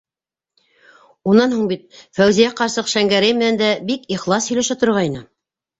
Унан һуң бит, Фәүзиә ҡарсыҡ Шәңгәрәй менән дә бик ихлас һөйләшә торғайны!